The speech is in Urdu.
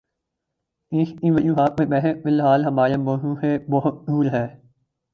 اس کی وجوہات پر بحث فی الحال ہمارے موضوع سے بہت دور ہے